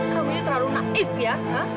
kamu ini terlalu naif ya